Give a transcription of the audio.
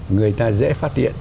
người ta dễ phát hiện